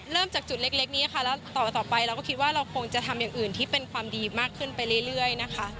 จากจุดเล็กนี้ค่ะแล้วต่อไปเราก็คิดว่าเราคงจะทำอย่างอื่นที่เป็นความดีมากขึ้นไปเรื่อยนะคะ